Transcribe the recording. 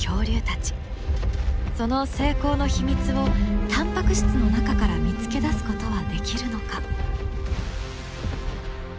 その成功の秘密をタンパク質の中から見つけ出すことはできるのか？